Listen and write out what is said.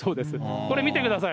これ、見てください。